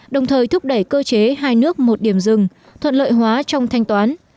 đồng thời thúc đẩy cơ chế hai nước một điểm rừng thuận lợi hóa trong thanh toán